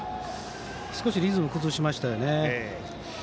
少しリズムを崩しましたよね。